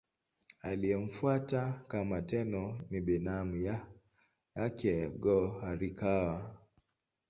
Aliyemfuata kama Tenno ni binamu yake Go-Horikawa.